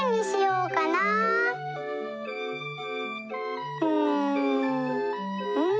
うんうん。